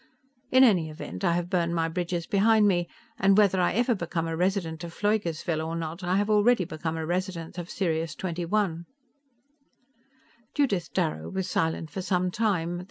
In any event, I have burned my bridges behind me, and whether I ever become a resident of Pfleugersville or not, I have already become a resident of Sirius XXI." Judith Darrow was silent for some time.